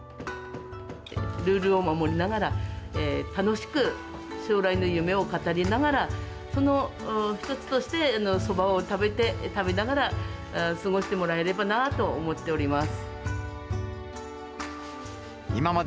ルールを守りながら、楽しく将来の夢を語りながら、その一つとして、そばを食べながら、過ごしてもらえればなと思っております。